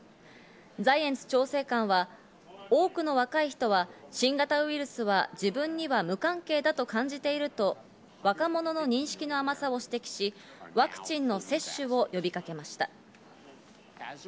ザイエンツ調整官は、多くの若い人が新型ウイルスは自分には無関係だと感じていると若者の認識の甘さを指摘し、ワクチンの接種を呼びかけました。